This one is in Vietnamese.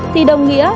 thì đồng nghĩa